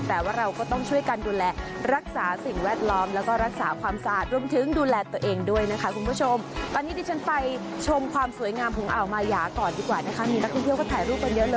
แต่ว่าเราก็ต้องช่วยการดูแลรักษาสิ่งแวดล้อมแล้วก็รักษาความสะอาดร